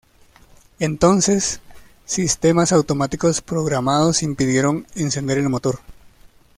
Entonces, sistemas automáticos programados impidieron encender el motor.